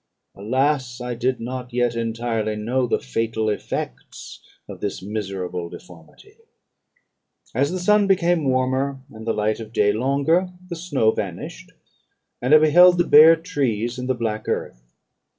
Alas! I did not yet entirely know the fatal effects of this miserable deformity. "As the sun became warmer, and the light of day longer, the snow vanished, and I beheld the bare trees and the black earth.